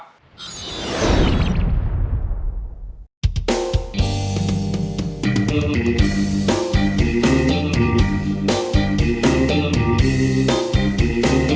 เพลงนี้ที่๕หมื่นบาทแล้วน้องแคน